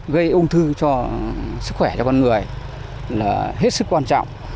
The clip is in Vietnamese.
gây ung thư cho sức khỏe cho con người là hết sức quan trọng